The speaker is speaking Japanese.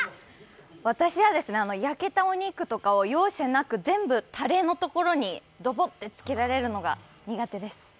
私は焼けたお肉とかを容赦なく全部タレのところに、どぼってつけられるのが苦手です。